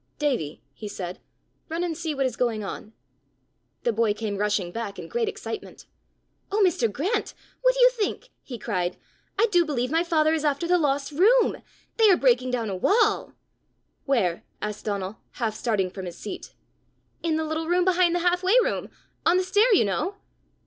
"Davie," he said, "run and see what is going on." The boy came rushing back in great excitement. "Oh, Mr. Grant, what do you think!" he cried. "I do believe my father is after the lost room! They are breaking down a wall!" "Where?" asked Donal, half starting from his seat. "In the little room behind the half way room on the stair, you know!"